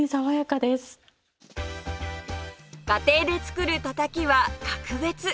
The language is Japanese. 家庭で作るたたきは格別！